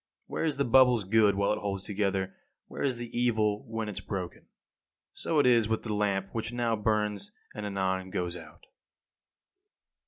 Where is the bubble's good while it holds together, where is the evil when it is broken? So it is with the lamp which now burns and anon goes out.